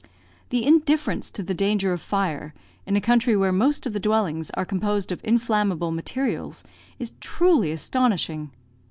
The indifference to the danger of fire in a country where most of the dwellings are composed of inflammable materials, is truly astonishing.